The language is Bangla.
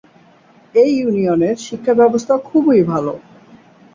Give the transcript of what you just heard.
এই ইউনিয়নের শিক্ষা ব্যবস্থা খুবই ভালো।